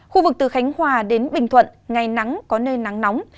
khu vực từ khánh hòa đến bình thuận ngày nắng có nơi nắng nóng